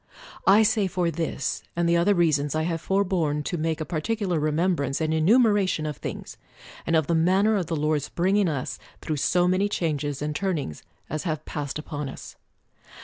I say for this and the other reasons I have forborne to make a particular remembrance and enumera tion of things, and of the manner of the Lord's bringing us through so many changes and turn ings as have passed upon us.